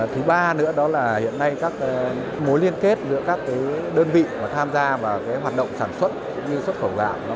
thứ ba nữa hiện nay các mối liên kết giữa các đơn vị tham gia vào hoạt động sản xuất như xuất khẩu gạo